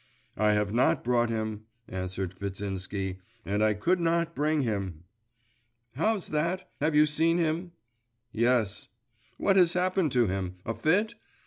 'I have not brought him,' answered Kvitsinsky 'and I could not bring him.' 'How's that? Have you seen him?' 'Yes.' 'What has happened to him? A fit?